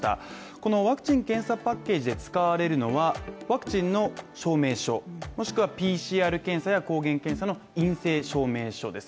このワクチン検査パッケージで使われるのは、ワクチンの証明書もしくはＰＣＲ検査や抗原検査の陰性証明書です